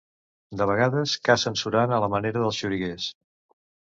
De vegades, cacen surant a la manera dels xoriguers.